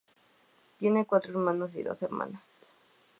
Tiene cuatro hermanos y dos hermanas.